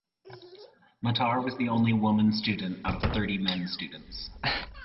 Matar was the only woman student out of thirty men students.